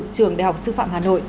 trường đại học sư phạm hà nội